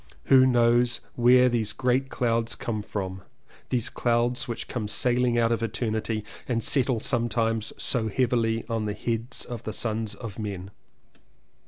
who knows where these great clouds come from — these clouds which come sailing out of eternity and settle sometimes so heavily on the heads of the sons of men.